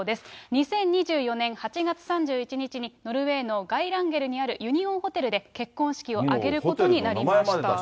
２０２４年８月３１日にノルウェーのガイランゲルにあるユニオンホテルで結婚式を挙げることになりました。